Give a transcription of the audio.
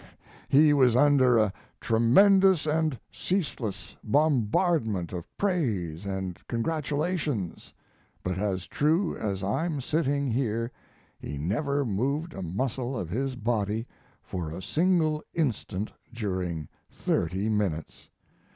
He was under a tremendous and ceaseless bombardment of praise and congratulation; but as true as I'm sitting here he never moved a muscle of his body for a single instant during thirty minutes!